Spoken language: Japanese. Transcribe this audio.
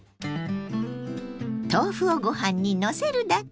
豆腐をご飯にのせるだけ！